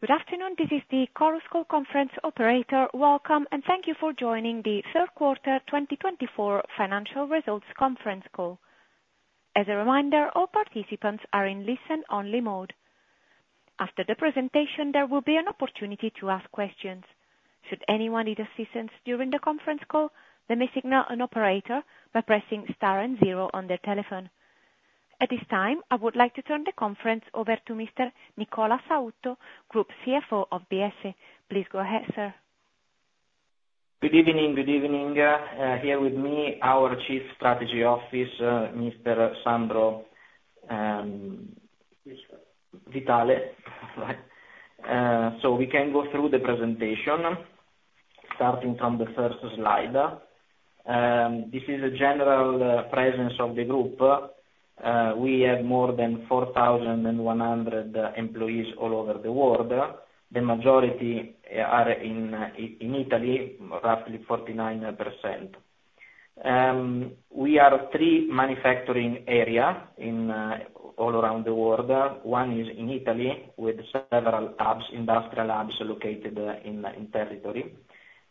Good afternoon, this is the Chorus Call conference operator. Welcome, and thank you for joining the third quarter 2024 financial results conference call. As a reminder, all participants are in listen-only mode. After the presentation, there will be an opportunity to ask questions. Should anyone need assistance during the conference call, they may signal an operator by pressing star and zero on their telephone. At this time, I would like to turn the conference over to Mr. Nicola Sautto, Group CFO of Biesse. Please go ahead, sir. Good evening, good evening. Here with me, our Chief Strategy Officer, Mr. Sandro Vitale. So we can go through the presentation, starting from the first slide. This is a general presence of the Group. We have more than 4,100 employees all over the world. The majority are in Italy, roughly 49%. We have three manufacturing areas in all around the world. One is in Italy, with several industrial hubs located in the territory,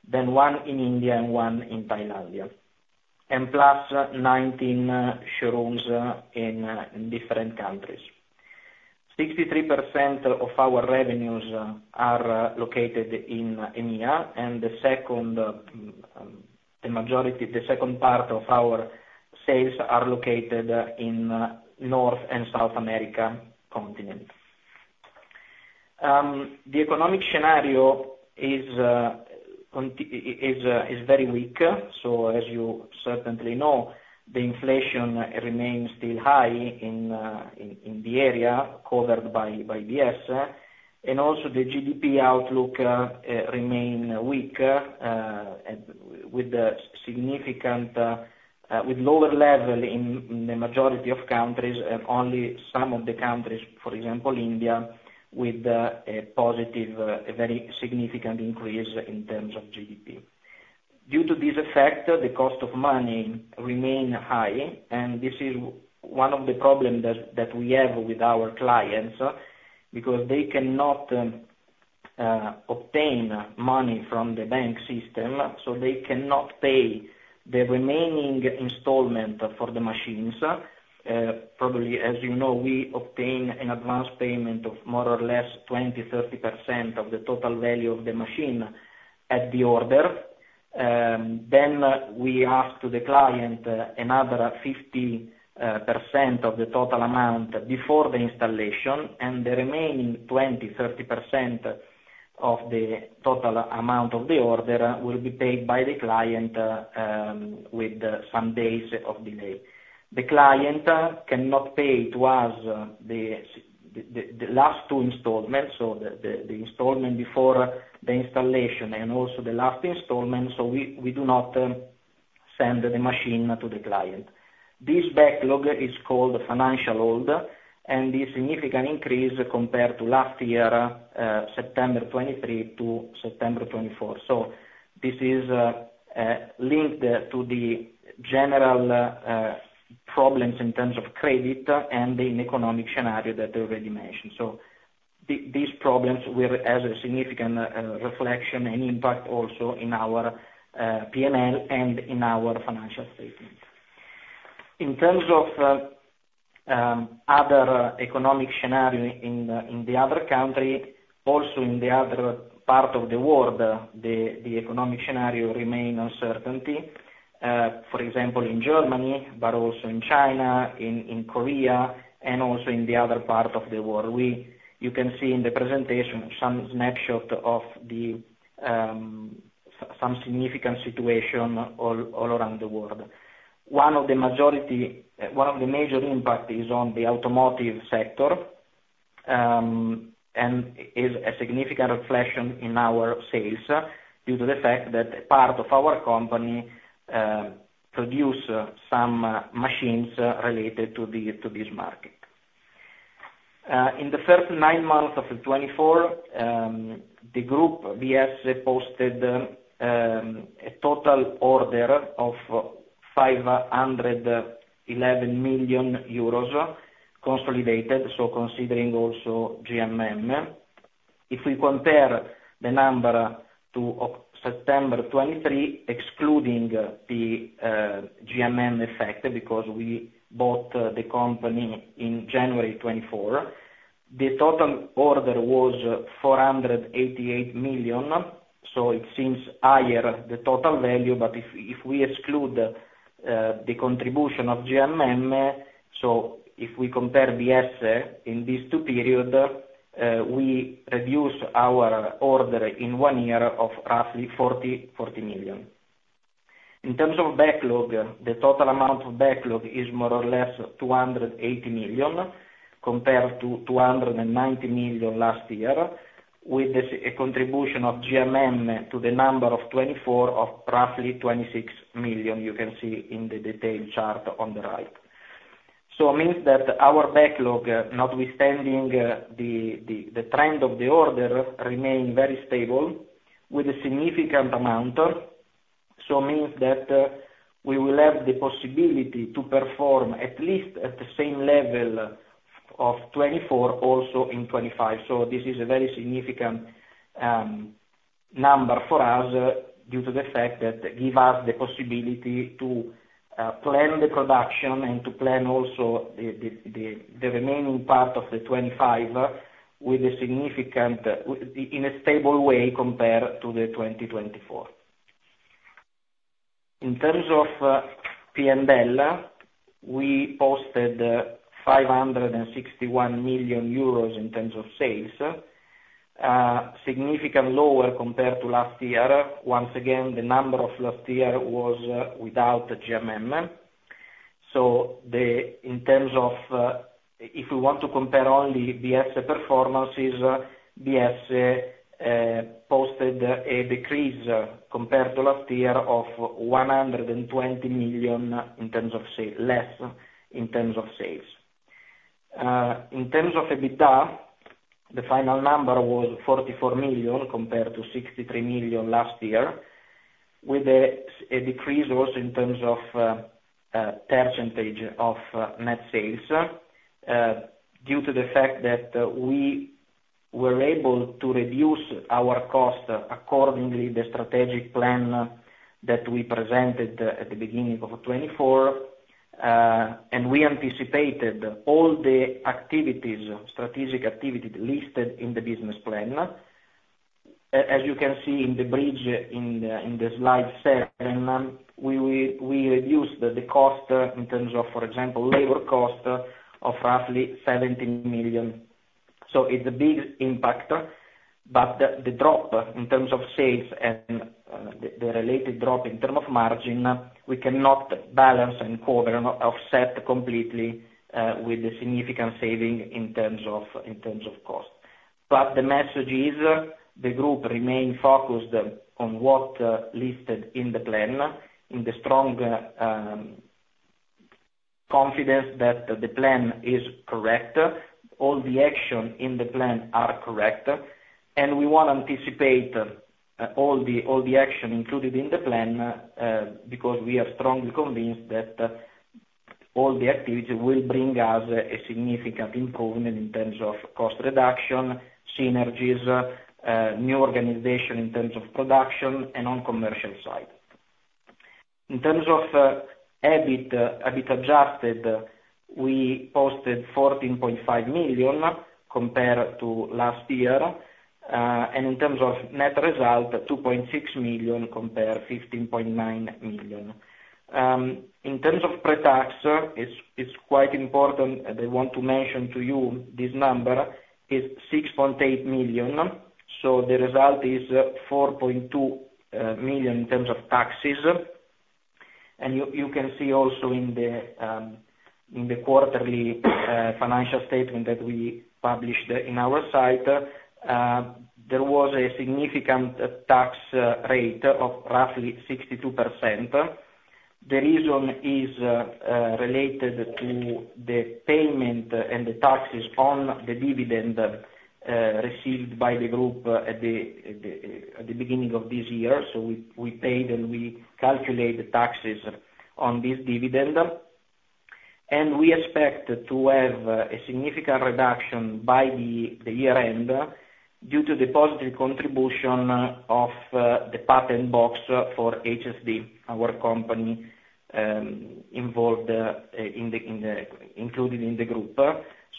then one in India, and one in Thailand, and plus 19 showrooms in different countries. 63% of our revenues are located in EMEA, and the second, the majority, the second part of our sales are located in North and South America continent. The economic scenario is cont... It is very weak, so as you certainly know, the inflation remains still high in the area covered by Biesse, and also the GDP outlook remain weak with significantly lower levels in the majority of countries, and only some of the countries, for example, India, with a positive very significant increase in terms of GDP. Due to this effect, the cost of money remain high, and this is one of the problem that we have with our clients, because they cannot obtain money from the bank system, so they cannot pay the remaining installment for the machines. Probably, as you know, we obtain an advance payment of more or less 20%-30% of the total value of the machine at the order. Then we ask to the client, another 50% of the total amount before the installation, and the remaining 20%-30% of the total amount of the order will be paid by the client with some days of delay. The client cannot pay to us the last two installments, so the installment before the installation and also the last installment, so we do not send the machine to the client. This backlog is called financial hold, and a significant increase compared to last year, September 2023 to September 2024. So this is linked to the general problems in terms of credit and the economic scenario that I already mentioned. So these problems will have a significant reflection and impact also in our P&L and in our financial statements. In terms of other economic scenario in the other country, also in the other part of the world, the economic scenario remain uncertainty, for example, in Germany, but also in China, in Korea, and also in the other part of the world. You can see in the presentation some snapshot of the some significant situation all around the world. One of the major impact is on the automotive sector, and is a significant reflection in our sales, due to the fact that a part of our company produce some machines related to this market. In the first nine months of 2024, the Biesse Group posted a total order of 511 million euros consolidated, so considering also GMM. If we compare the number to September 2023, excluding the GMM effect, because we bought the company in January 2024, the total order was 488 million, so it seems higher, the total value, but if we exclude the contribution of GMM, so if we compare Biesse in these two periods, we reduce our order in one year of roughly 40 million. In terms of backlog, the total amount of backlog is more or less 280 million, compared to 290 million last year, with the contribution of GMM to the number of 2024 of roughly 26 million. You can see in the detailed chart on the right. So it means that our backlog, notwithstanding the trend of the order, remain very stable with a significant amount. So means that we will have the possibility to perform at least at the same level of 2024, also in 2025. So this is a very significant number for us, due to the fact that give us the possibility to plan the production and to plan also the remaining part of the 2025, with a significant in a stable way compared to 2024. In terms of P&L, we posted 561 million euros in terms of sales, significantly lower compared to last year. Once again, the number of last year was without GMM, so in terms of if we want to compare only the Biesse performances, Biesse posted a decrease compared to last year of 120 million in terms of sales. In terms of EBITDA, the final number was 44 million compared to 63 million last year, with a decrease also in terms of percentage of net sales due to the fact that we were able to reduce our cost accordingly the strategic plan that we presented at the beginning of 2024, and we anticipated all the activities, strategic activities listed in the business plan. As you can see in the bridge, in the slide set, we reduced the cost in terms of, for example, labor cost of roughly 17 million. So it's a big impact, but the drop in terms of sales and the related drop in terms of margin, we cannot balance and cover, offset completely with the significant saving in terms of cost. But the message is, the Group remain focused on what listed in the plan, in the strong confidence that the plan is correct, all the action in the plan are correct, and we want to anticipate all the action included in the plan, because we are strongly convinced that all the activities will bring us a significant improvement in terms of cost reduction, synergies, new organization in terms of production, and on commercial side. In terms of EBIT, EBIT adjusted, we posted 14.5 million compared to last year, and in terms of net result, 2.6 million, compared 15.9 million. In terms of pre-tax, it's quite important, and I want to mention to you, this number is 6.8 million, so the result is 4.2 million in terms of taxes. And you can see also in the quarterly financial statement that we published in our site, there was a significant tax rate of roughly 62%. The reason is related to the payment and the taxes on the dividend received by the group at the beginning of this year. So we paid and we calculate the taxes on this dividend, and we expect to have a significant reduction by the year end, due to the positive contribution of the patent box for HSD, our company involved in the included in the Group.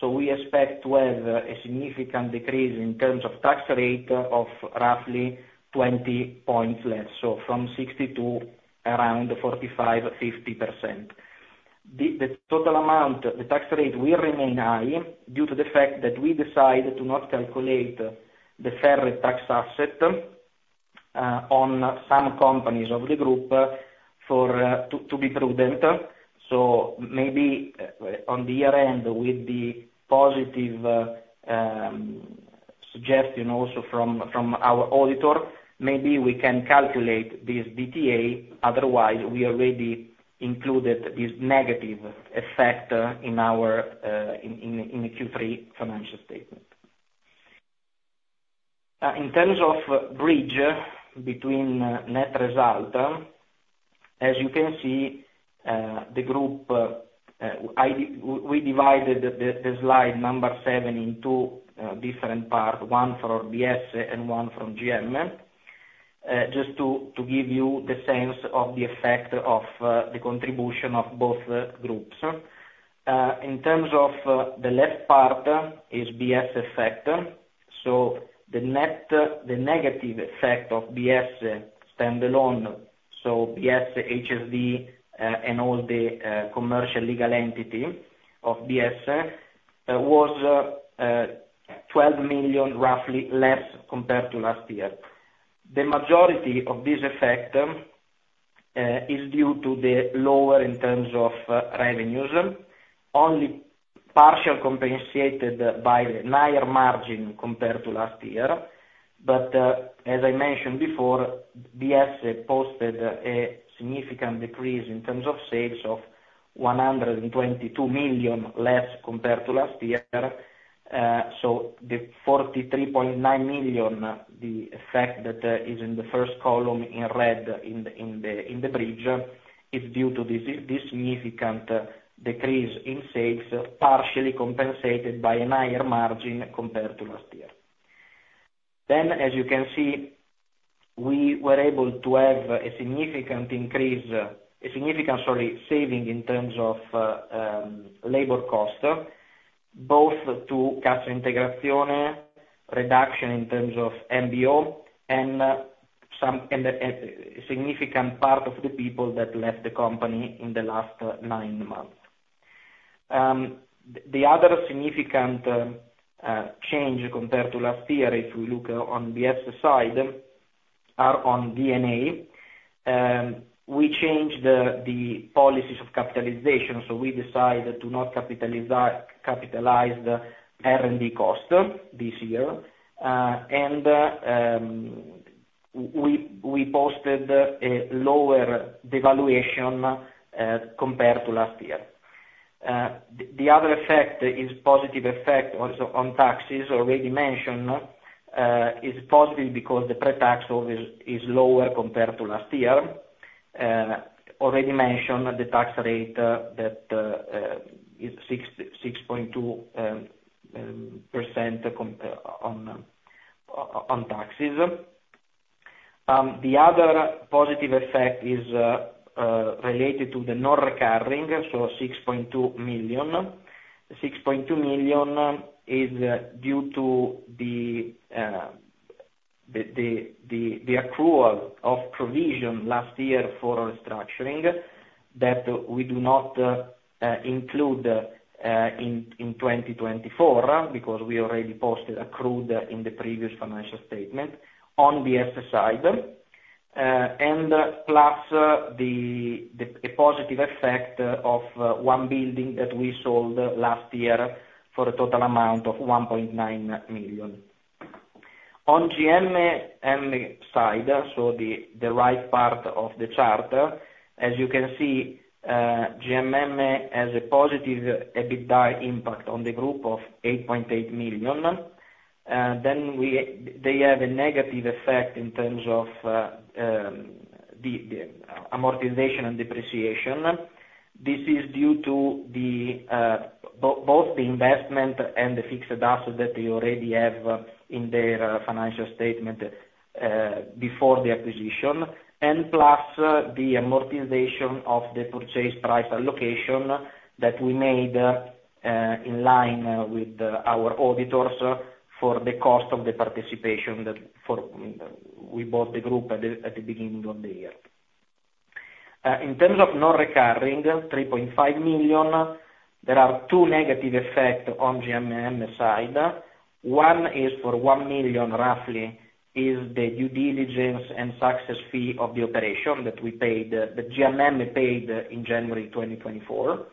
So we expect to have a significant decrease in terms of tax rate, of roughly 20 points less, so from 60% to around 45%-50%. The total amount, the tax rate will remain high, due to the fact that we decide to not calculate the deferred tax asset on some companies of the Group to be prudent. So maybe on the year end, with the positive suggestion also from our auditor, maybe we can calculate this DTA, otherwise we already included this negative effect in our Q3 financial statement. In terms of bridge between net result, as you can see, the group we divided the slide number 7 in two different parts, one for Biesse and one from GMM. Just to give you the sense of the effect of the contribution of both groups. In terms of the left part is Biesse effect, so the net, the negative effect of Biesse standalone, so Biesse, HSD, and all the commercial legal entity of Biesse was 12 million, roughly, less compared to last year. The majority of this effect is due to the lower in terms of revenues, only partial compensated by a higher margin compared to last year, but as I mentioned before, Biesse posted a significant decrease in terms of sales of 122 million less compared to last year. So the 43.9 million, the effect that is in the first column in red in the bridge, is due to this significant decrease in sales, partially compensated by a higher margin compared to last year. As you can see, we were able to have a significant, sorry, saving in terms of labor cost, both to Cassa Integrazione, reduction in terms of MBO and some significant part of the people that left the company in the last nine months. The other significant change compared to last year, if we look on Biesse side, are on D&A. We changed the policies of capitalization, so we decided to not capitalize our R&D cost this year. We posted a lower devaluation compared to last year. The other effect is positive effect also on taxes, already mentioned, is positive because the pre-tax also is lower compared to last year. Already mentioned the tax rate that is 6.2% on taxes. The other positive effect is related to the non-recurring, so 6.2 million. 6.2 million is due to the accrual of provision last year for restructuring, that we do not include in 2024, because we already posted accrued in the previous financial statement on Biesse side, plus a positive effect of one building that we sold last year for a total amount of 1.9 million. On GMM side, so the right part of the chart, as you can see, GMM has a positive EBITDA impact on the Group of 8.8 million. Then we, they have a negative effect in terms of the amortization and depreciation. This is due to both the investment and the fixed assets that they already have in their financial statement before the acquisition, and plus the amortization of the purchase price allocation that we made in line with our auditors for the cost of the participation that for we bought the Group at the beginning of the year. In terms of non-recurring, 3.5 million, there are two negative effect on GMM side. One is for 1 million, roughly, is the due diligence and taxes fee of the operation that we paid, that GMM paid in January 2024.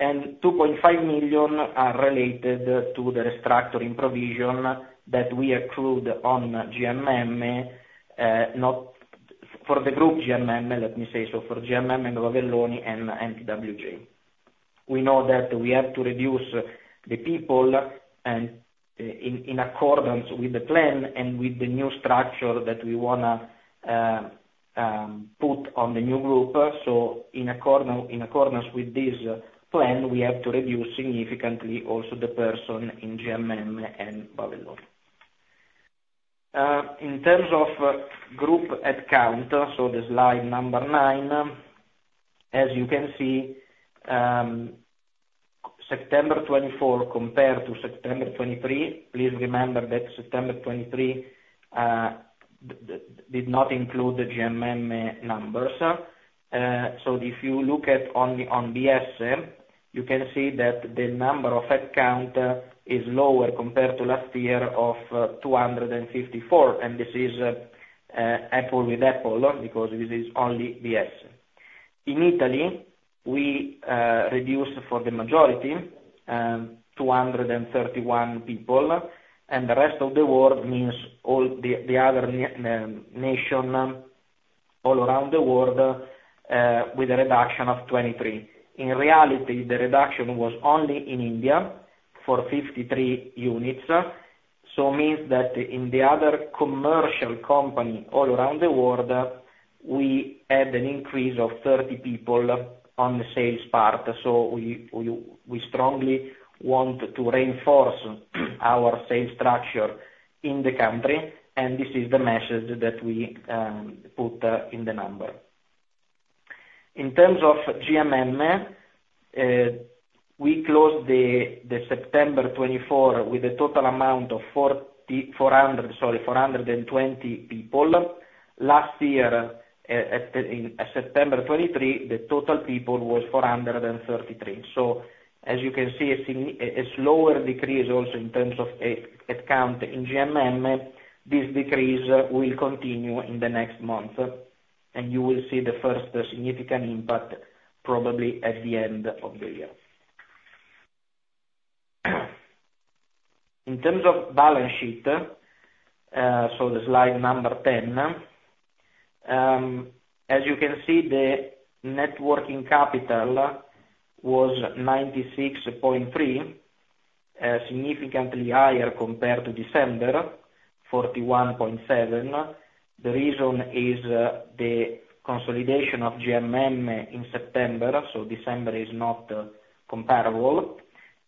And 2.5 million are related to the restructuring provision that we accrued on GMM, not for the Group GMM, let me say, so for GMM and Bavelloni and TWJ. We know that we have to reduce the people and in accordance with the plan and with the new structure that we wanna put on the new group. So in accordance with this plan, we have to reduce significantly also the personnel in GMM and Bavelloni. In terms of group headcount, so the slide number nine, as you can see, September 2024 compared to September 2023, please remember that September 2023 did not include the GMM numbers. So if you look at on Biesse, you can see that the number of headcount is lower compared to last year of 254, and this is apples to apples, because this is only Biesse. In Italy, we reduced for the majority 231 people, and the rest of the world means all the other nation all around the world with a reduction of 23. In reality, the reduction was only in India for 53 units. So it means that in the other commercial company all around the world, we had an increase of 30 people on the sales part, so we strongly want to reinforce our sales structure in the country, and this is the message that we put in the number. In terms of GMM, we closed the September 2024 with a total amount of 420 people. Last year, in September 2023, the total people was 433. So as you can see, a slower decrease also in terms of headcount in GMM. This decrease will continue in the next month, and you will see the first significant impact probably at the end of the year. In terms of balance sheet, so the slide number 10, as you can see, the net working capital was 96.3, significantly higher compared to December, 41.7. The reason is, the consolidation of GMM in September, so December is not comparable.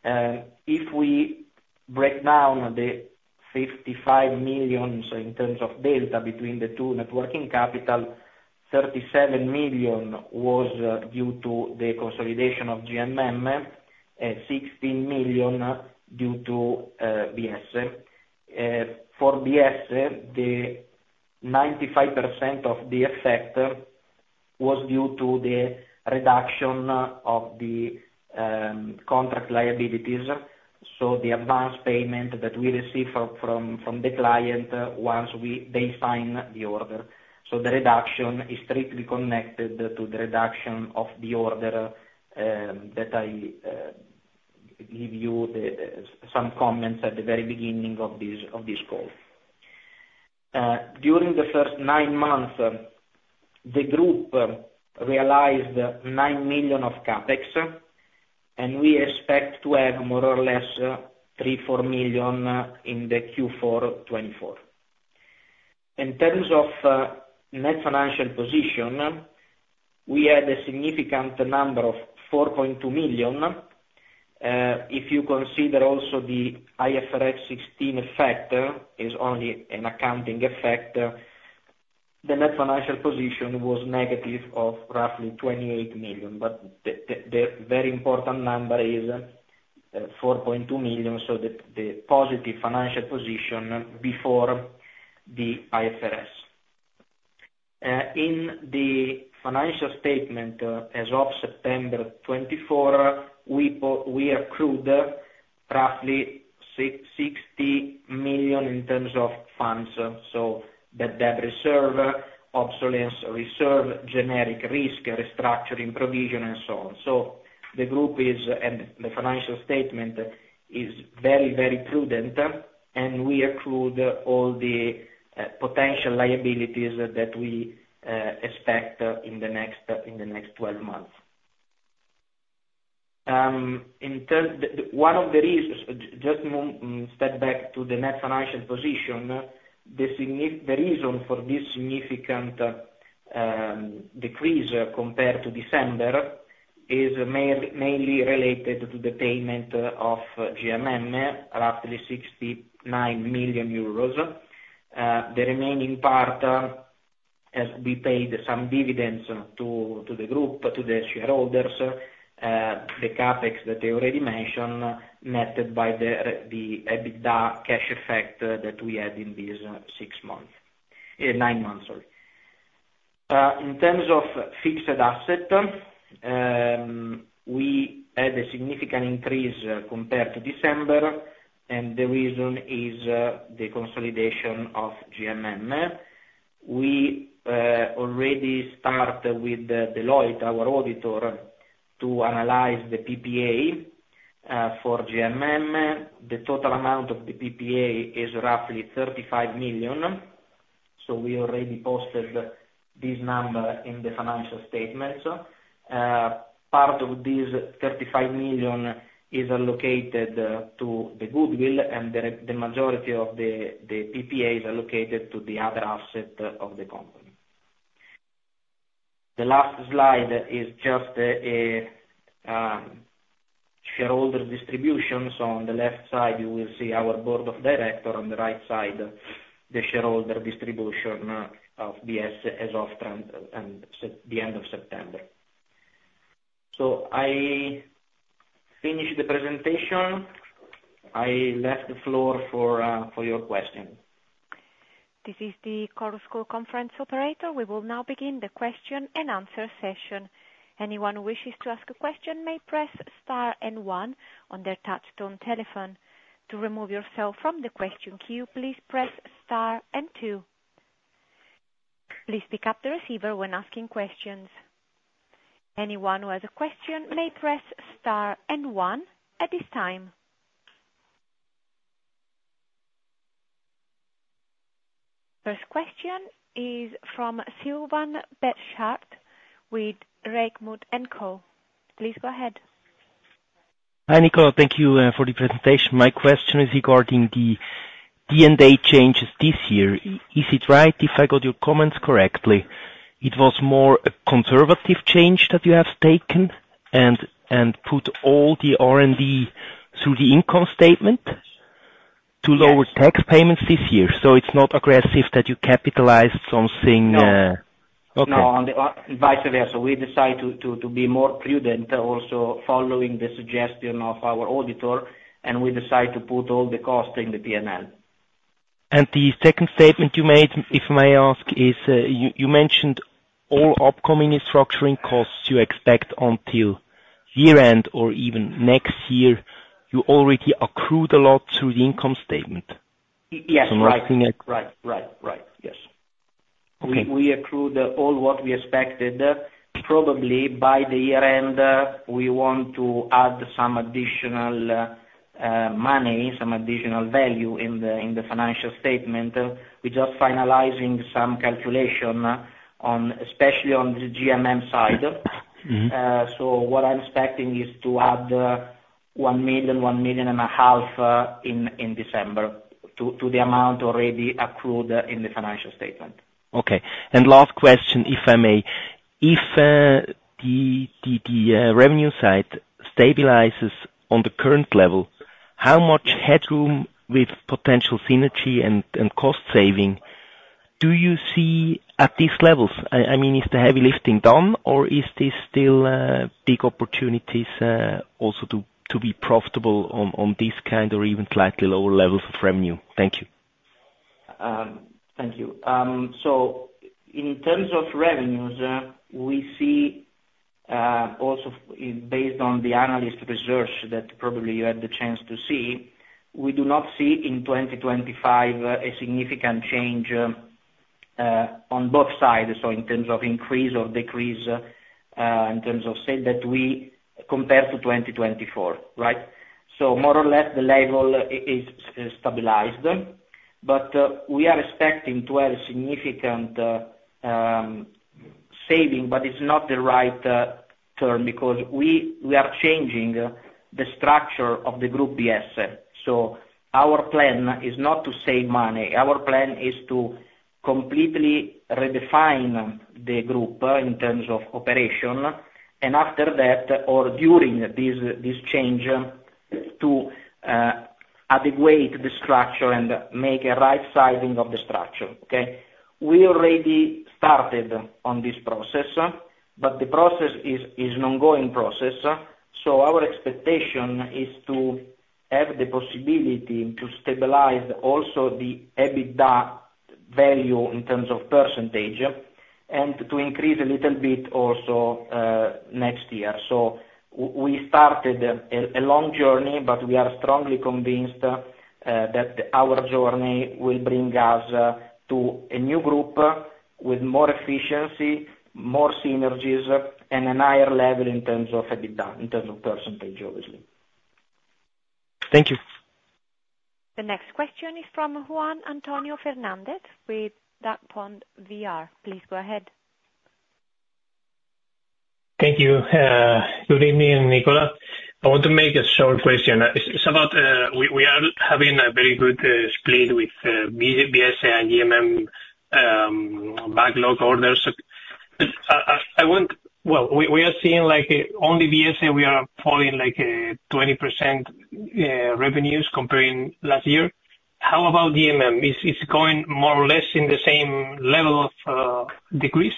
If we break down the 55 million, so in terms of data between the two net working capital, 37 million was due to the consolidation of GMM, 16 million due to Biesse. For Biesse, the 95% of the effect was due to the reduction of the contract liabilities, so the advanced payment that we receive from the client, once they sign the order. So the reduction is strictly connected to the reduction of the order that I give you the some comments at the very beginning of this call. During the first nine months, the Group realized 9 million of CapEx, and we expect to have more or less 3 million-4 million in the Q4 2024. In terms of net financial position, we had a significant number of 4.2 million. If you consider also the IFRS 16 effect, is only an accounting effect, the net financial position was negative of roughly 28 million, but the very important number is 4.2 million, so the positive financial position before the IFRS. In the financial statement as of September 2024, we accrued roughly 60 million in terms of funds, so the debt reserve, obsolescence reserve, generic risk, restructuring provision, and so on. So the Group is, and the financial statement is very, very prudent, and we accrued all the potential liabilities that we expect in the next 12 months. One of the reasons, step back to the net financial position, the reason for this significant decrease compared to December is mainly related to the payment of GMM, roughly 69 million euros. The remaining part, as we paid some dividends to the Group, to the shareholders, the CapEx that I already mentioned, netted by the EBITDA cash effect that we had in this six months, nine months, sorry. In terms of fixed asset, we had a significant increase compared to December, and the reason is the consolidation of GMM. We already start with Deloitte, our auditor, to analyze the PPA for GMM. The total amount of the PPA is roughly 35 million, so we already posted this number in the financial statements. Part of this 35 million is allocated to the goodwill, and the majority of the PPAs are allocated to the other assets of the company. The last slide is just a shareholder distribution. So on the left side, you will see our board of directors, on the right side, the shareholder distribution of Biesse as of the end of September. So I finish the presentation. I leave the floor for your question. This is the Chorus Call conference operator. We will now begin the question and answer session. Anyone who wishes to ask a question may press star and one on their Touchtone telephone. To remove yourself from the question queue, please press star and two. Please pick up the receiver when asking questions. Anyone who has a question may press star and one at this time. First question is from Silvan Betschart, with Reichmuth & Co. Please go ahead. Hi, Nicola. Thank you for the presentation. My question is regarding the D&A changes this year. Is it right, if I got your comments correctly, it was more a conservative change that you have taken, and put all the R&D through the income statement- Yes ... to lower tax payments this year? So it's not aggressive that you capitalized something, No. Okay. No, on the opposite, vice versa. We decide to be more prudent, also following the suggestion of our auditor, and we decide to put all the costs in the P&L. The second statement you made, if I may ask, is you mentioned all upcoming restructuring costs you expect until year-end or even next year, you already accrued a lot through the income statement? Yes, right. So nothing like- Right, right, right. Yes. We, we accrued all what we expected, probably by the year end, we want to add some additional money, some additional value in the financial statement. We're just finalizing some calculation on, especially on the GMM side. Mm-hmm. So what I'm expecting is to add 1 million-1.5 million in December to the amount already accrued in the financial statement. Okay. And last question, if I may. If the revenue side stabilizes on the current level, how much headroom with potential synergy and cost saving do you see at these levels? I mean, is the heavy lifting done, or is this still big opportunities also to be profitable on this kind or even slightly lower levels of revenue? Thank you. Thank you. So in terms of revenues, we see also based on the analyst research that probably you had the chance to see, we do not see in 2025 a significant change on both sides, so in terms of increase or decrease in terms of sale that we compare to 2024, right? So more or less, the level is stabilized, but we are expecting to have a significant saving, but it's not the right term, because we are changing the structure of the group Biesse. So our plan is not to save money. Our plan is to completely redefine the Group in terms of operation, and after that or during this change, to adequate the structure and make a rightsizing of the structure, okay? We already started on this process, but the process is an ongoing process. So our expectation is to have the possibility to stabilize also the EBITDA value in terms of percentage, and to increase a little bit also next year. So we started a long journey, but we are strongly convinced that our journey will bring us to a new group with more efficiency, more synergies, and a higher level in terms of EBITDA, in terms of percentage, obviously. Thank you. The next question is from Juan Antonio Fernandez with. Please go ahead. Thank you. Good evening, Nicola. I want to make a short question. It's about we are having a very good split with Biesse and GMM backlog orders. I want... Well, we are seeing, like, only Biesse, we are falling, like, 20% revenues comparing last year. How about GMM? Is it going more or less in the same level of decrease?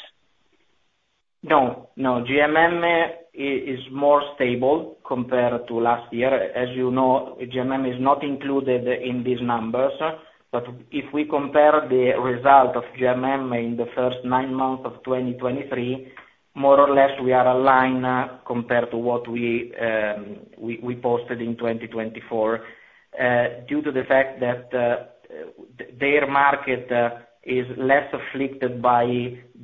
No, no. GMM is more stable compared to last year. As you know, GMM is not included in these numbers, but if we compare the result of GMM in the first nine months of 2023, more or less, we are aligned compared to what we posted in 2024 due to the fact that their market is less afflicted by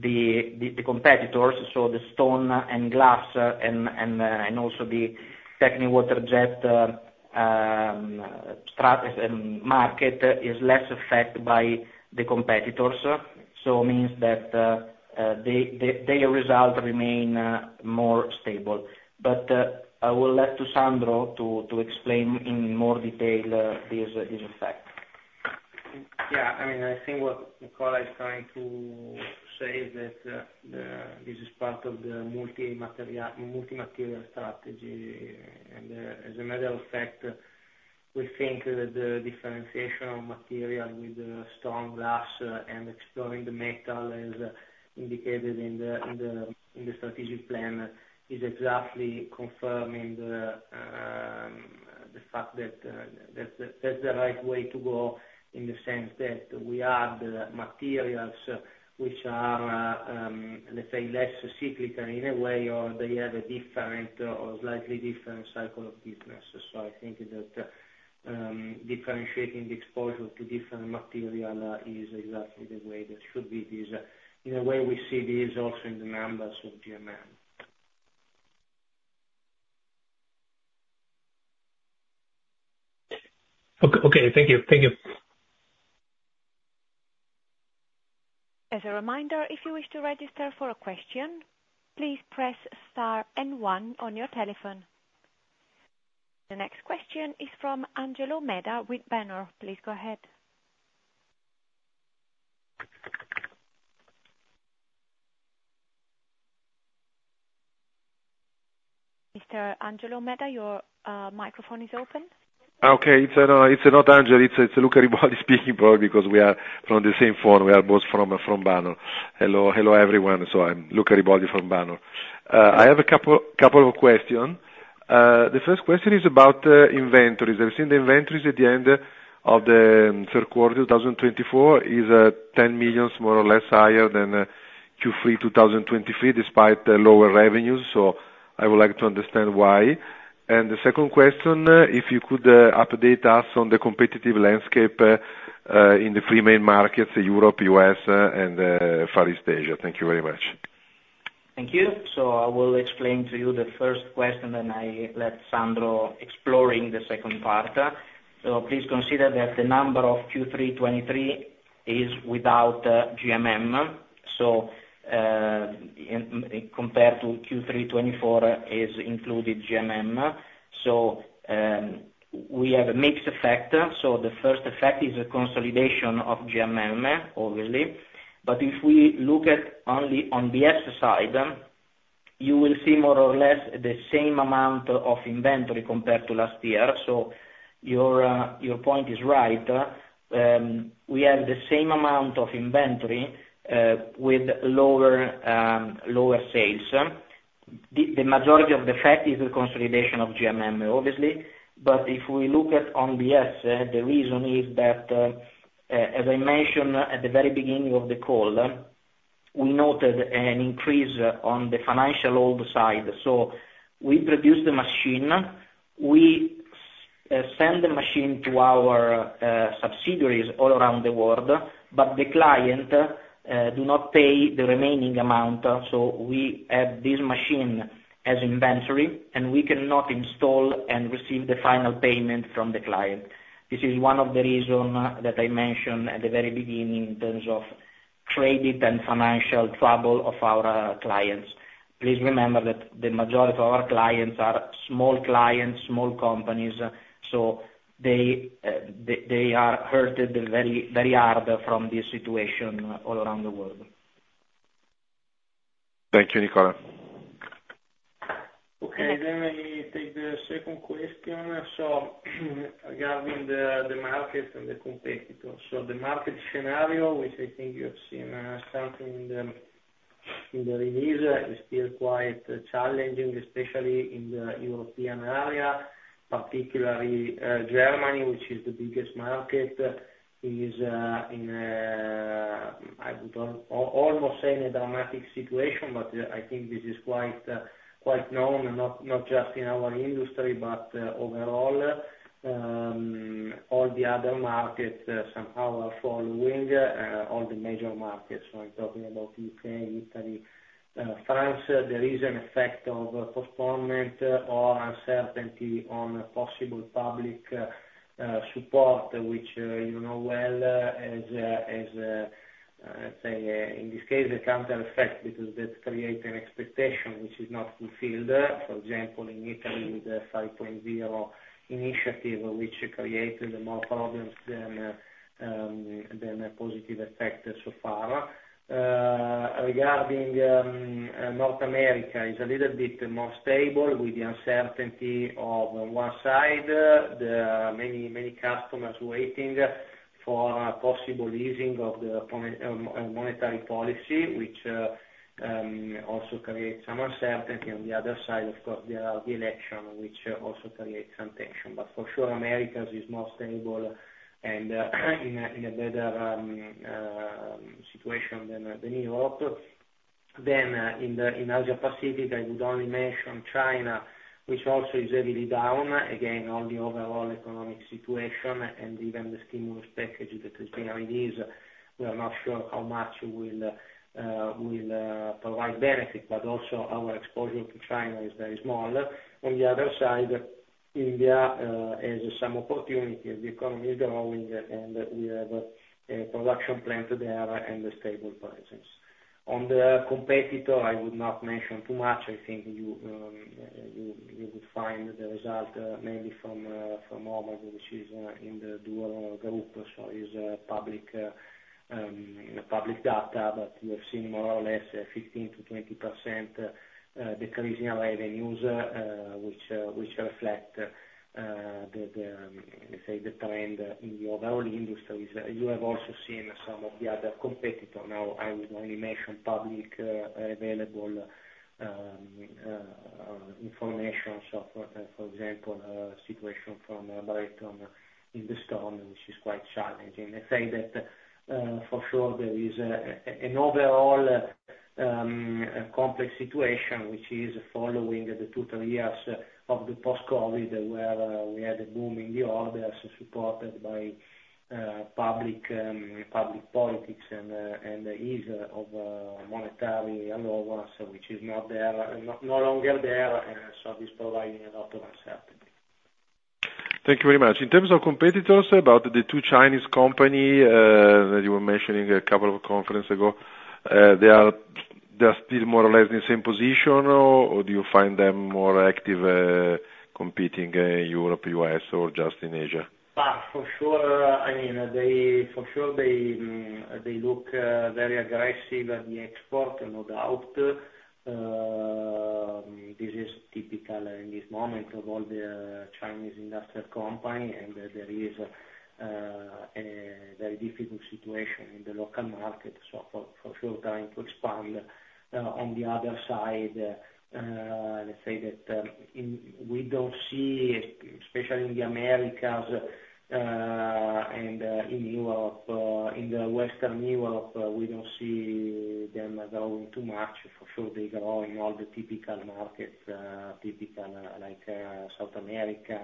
the competitors, so the stone and glass and also the Techni Waterjet market is less affected by the competitors. So it means that their results remain more stable. I will leave to Sandro to explain in more detail this effect. Yeah, I mean, I think what Nicola is trying to say is that, this is part of the multi-material strategy. And, as a matter of fact, we think that the differentiation of material with the strong glass and exploring the metal, as indicated in the strategic plan, is exactly confirming the fact that, that's the right way to go, in the sense that we add materials which are, let's say, less cyclical in a way, or they have a different or slightly different cycle of business. So I think that, differentiating the exposure to different material, is exactly the way that should be this. In a way, we see this also in the numbers of GMM. Okay, okay. Thank you. Thank you. As a reminder, if you wish to register for a question, please press star and one on your telephone. The next question is from Angelo Meda with Banor. Please go ahead. Mr. Angelo Meda, your microphone is open. Okay, it's not Angelo, it's Luca Riboldi speaking, probably because we are from the same firm. We are both from Banor. Hello, everyone. So I'm Luca Riboldi from Banor. I have a couple of questions. The first question is about inventories. I've seen the inventories at the end of the third quarter, 2024, is 10 million, more or less, higher than Q3 2023, despite the lower revenues, so I would like to understand why. And the second question, if you could update us on the competitive landscape in the three main markets, Europe, US, and Far East Asia. Thank you very much. Thank you. So I will explain to you the first question, then I let Sandro exploring the second part. So please consider that the number of Q3 2023 is without GMM. So in compared to Q3 2024, is included GMM. So we have a mixed effect. So the first effect is a consolidation of GMM, obviously, but if we look at only on the exercise, you will see more or less the same amount of inventory compared to last year. So your point is right, we have the same amount of inventory with lower sales. The majority of the effect is the consolidation of GMM, obviously, but if we look at Biesse, the reason is that, as I mentioned at the very beginning of the call, we noted an increase on the financial hold side, so we produce the machine, we send the machine to our subsidiaries all around the world, but the client do not pay the remaining amount, so we add this machine as inventory, and we cannot install and receive the final payment from the client. This is one of the reason that I mentioned at the very beginning in terms of credit and financial trouble of our clients. Please remember that the majority of our clients are small clients, small companies, so they are hurt very, very hard from this situation all around the world. Thank you, Nicola. Okay, then I take the second question. So regarding the market and the competitors. So the market scenario, which I think you've seen, something in the release, is still quite challenging, especially in the European area, particularly Germany, which is the biggest market, is in. I would almost say in a dramatic situation, but I think this is quite normal, not just in our industry, but overall. All the other markets somehow are following all the major markets. So I'm talking about UK, Italy, France. There is an effect of postponement or uncertainty on possible public support, which you know well, as you say, in this case, a counter effect, because that create an expectation which is not fulfilled. For example, in Italy, with the 5.0 initiative, which created more problems than a positive effect so far. Regarding North America, it is a little bit more stable, with the uncertainty on one side, the many, many customers waiting for a possible easing of the monetary policy, which also creates some uncertainty. On the other side, of course, there are the election, which also creates some tension. But for sure, Americas is more stable and in a better situation than Europe. Then in Asia Pacific, I would only mention China, which also is heavily down. Again, on the overall economic situation and even the stimulus package that has been released, we are not sure how much will provide benefit, but also our exposure to China is very small. On the other side, India has some opportunity. The economy is growing, and we have a production plant there and stable prices. On the competitor, I would not mention too much. I think you would find the result, maybe from HOMAG, which is in the Dürr Group. So is public data, but you have seen more or less 15%-20% decrease in revenues, which reflect, let's say, the trend in the overall industries. You have also seen some of the other competitor. Now, I will only mention public available information. For example, situation from Breton in the stone, which is quite challenging. I say that for sure there is an overall complex situation, which is following the two, three years of the post-COVID, where we had a boom in the orders supported by public politics and the ease of monetary policy, which is no longer there, so it is providing a lot of uncertainty. Thank you very much. In terms of competitors, about the two Chinese companies, that you were mentioning a couple of conferences ago, they are still more or less in the same position, or do you find them more active, competing in Europe, U.S., or just in Asia? For sure, I mean, they look very aggressive in the export, no doubt. This is typical in this moment of all the Chinese industrial company, and there is a very difficult situation in the local market. So, for sure, trying to expand-... on the other side, let's say that, in, we don't see, especially in the Americas, and, in Europe, in the Western Europe, we don't see them growing too much. For sure, they grow in all the typical markets, typical, like, South America,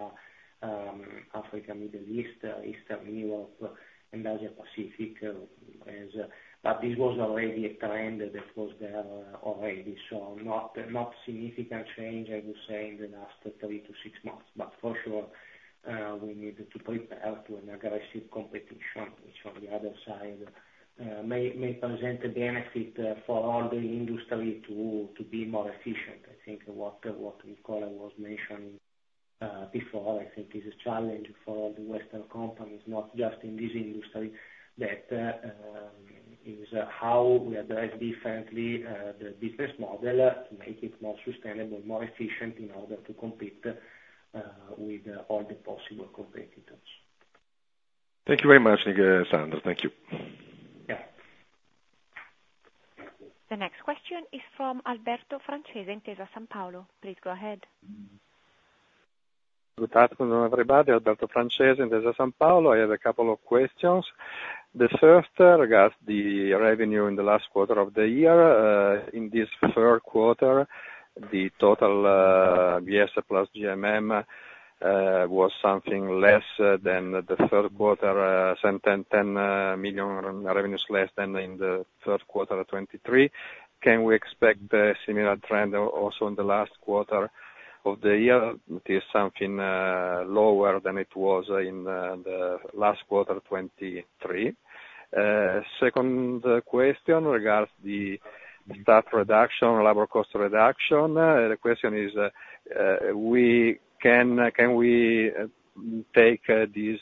Africa, Middle East, Eastern Europe, and Asia Pacific, but this was already a trend that was there already. So not significant change, I would say, in the last three to six months. But for sure, we needed to prepare to an aggressive competition, which on the other side, may present a benefit, for all the industry to be more efficient. I think what Nicola was mentioning before, I think, is a challenge for all the Western companies, not just in this industry, that is how we address differently the business model, make it more sustainable, more efficient, in order to compete with all the possible competitors. Thank you very much, Sandro. Thank you. Yeah. The next question is from Alberto Francese, Intesa Sanpaolo. Please go ahead. Good afternoon, everybody. Alberto Francese, Intesa Sanpaolo. I have a couple of questions. The first regards the revenue in the last quarter of the year. In this third quarter, the total, Biesse plus GMM, was something less than the third quarter, some 10 million revenues less than in the third quarter of 2023. Can we expect a similar trend also in the last quarter of the year? It is something lower than it was in the last quarter, 2023. Second question regards the staff reduction, labor cost reduction. The question is, can we take this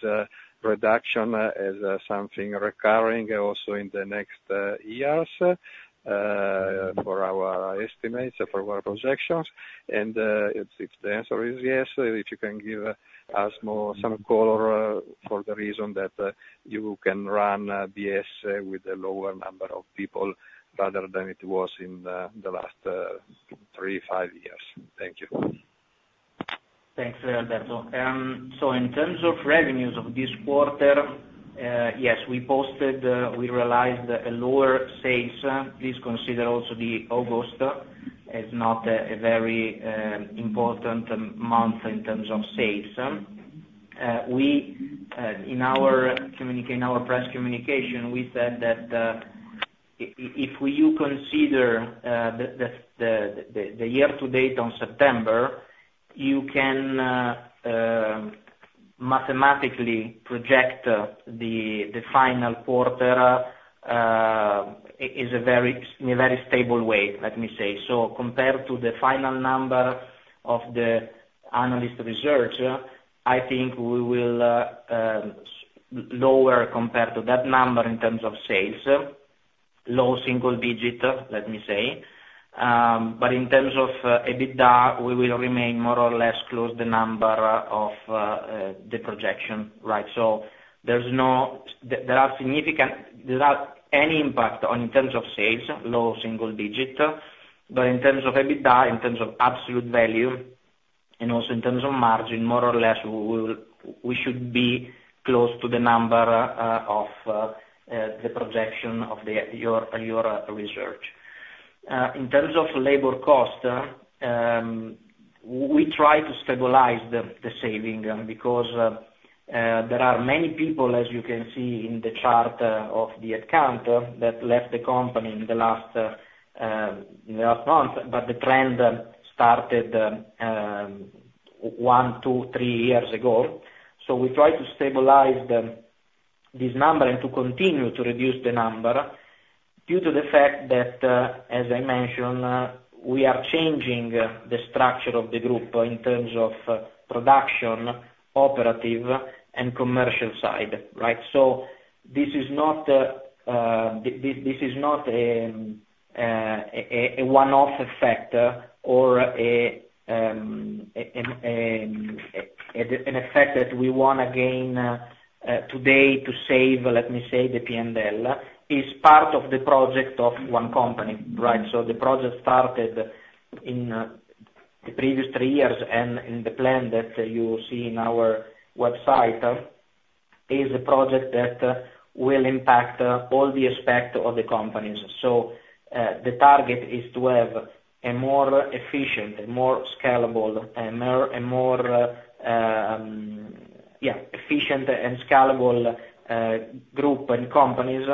reduction as something recurring also in the next years for our estimates, for our projections? If the answer is yes, if you can give us more color for the reason that you can run Biesse with a lower number of people rather than it was in the last three, five years. Thank you. Thanks, Alberto. So in terms of revenues of this quarter, yes, we posted, we realized a lower sales. Please consider also the August as not a very important month in terms of sales. In our communique, in our press communication, we said that if you consider the year to date on September, you can mathematically project the final quarter in a very stable way, let me say. So compared to the final number of the analyst research, I think we will lower compared to that number in terms of sales. Low single digit, let me say. But in terms of EBITDA, we will remain more or less close the number of the projection, right? So there's no... There are significant—there are any impact on in terms of sales, low single digit. In terms of EBITDA, in terms of absolute value, and also in terms of margin, more or less, we will, we should be close to the number of the projection of your research. In terms of labor cost, we try to stabilize the saving, because there are many people, as you can see in the chart of the account, that left the company in the last month, but the trend started one, two, three years ago. We try to stabilize this number and to continue to reduce the number, due to the fact that, as I mentioned, we are changing the structure of the group in terms of production, operative, and commercial side, right? This is not a one-off effect or an effect that we want again today to save, let me say, the P&L. It is part of the project of one company, right? The project started in the previous three years, and in the plan that you see in our website, it is a project that will impact all the aspects of the companies. So, the target is to have a more efficient, a more scalable, and more efficient and scalable group and companies.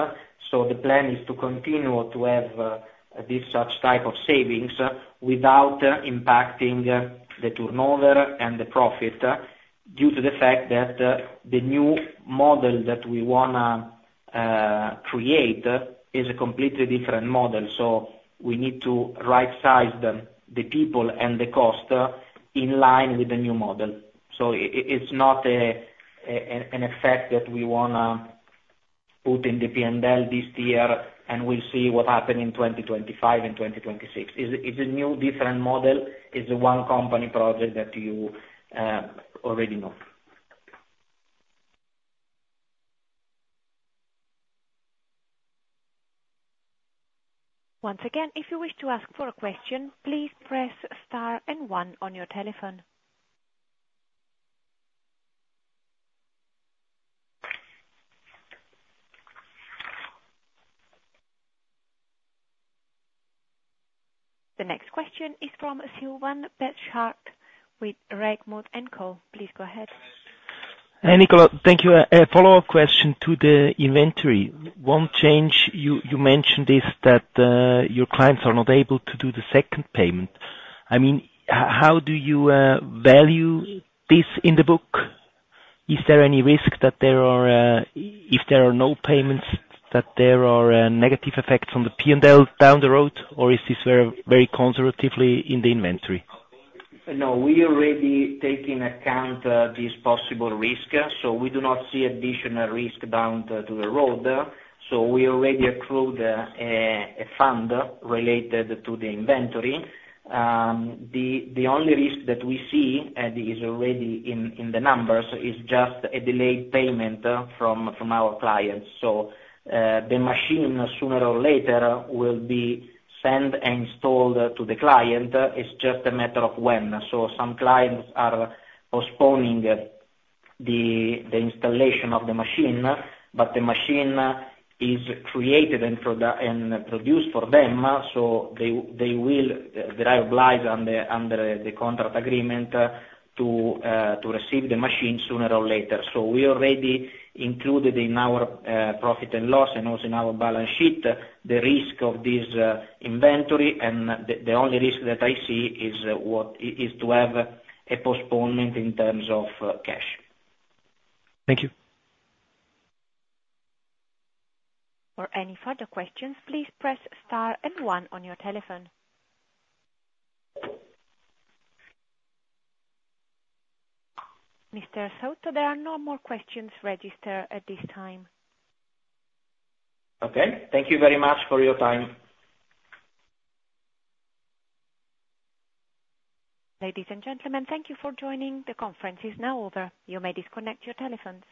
So the plan is to continue to have this such type of savings without impacting the turnover and the profit due to the fact that the new model that we wanna create is a completely different model. So we need to rightsize the people and the cost in line with the new model. So it's not an effect that we wanna put in the P&L this year, and we'll see what happen in 2025 and 2026. It's a new different model, it's a one company project that you already know. Once again, if you wish to ask for a question, please press star and one on your telephone. The next question is from Silvan Betschart, with Reichmuth & Co. Please go ahead. Hi, Nicola. Thank you. A follow-up question to the inventory. One change you mentioned is that your clients are not able to do the second payment. I mean, how do you value this in the book? Is there any risk that there are... If there are no payments, that there are negative effects on the P&L down the road, or is this very, very conservatively in the inventory? No, we already take in account this possible risk, so we do not see additional risk down to the road. So we already accrued a fund related to the inventory. The only risk that we see, and is already in the numbers, is just a delayed payment from our clients. So the machine, sooner or later, will be sent and installed to the client. It's just a matter of when. So some clients are postponing the installation of the machine, but the machine is created and produced for them, so they will, they are obliged under the contract agreement to receive the machine sooner or later. So we already included in our profit and loss and also in our balance sheet the risk of this inventory, and the only risk that I see is to have a postponement in terms of cash. Thank you. For any further questions, please press star and one on your telephone. Mr. Sautto, there are no more questions registered at this time. Okay. Thank you very much for your time. Ladies and gentlemen, thank you for joining. The conference is now over. You may disconnect your telephones.